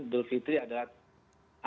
idul fitri adalah